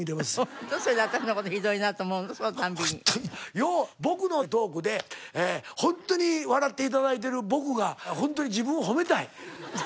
よう僕のトークでホントに笑って頂いている僕がホントに自分を褒めたい。でしょう？